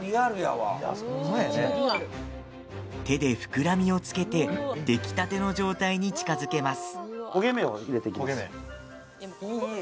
手で膨らみをつけて出来たての状態に近づけます。